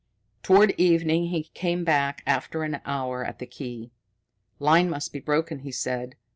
Toward evening he came back after an hour at the key. "Line must be broken," he said.